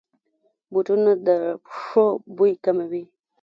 بوټونه د پښو بوی کموي.